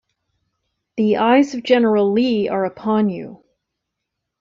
The eyes of General Lee are upon you.